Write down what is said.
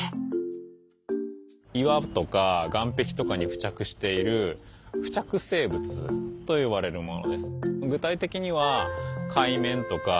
岩とか岸壁とかに付着している付着生物といわれるものです。